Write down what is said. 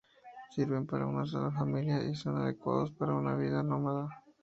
Sirven para una sola familia y son adecuados para una vida nómada.